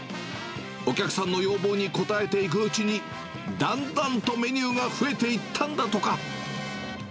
お客さんの要望に応えていくうちに、だんだんとメニューが増えていったんだとか。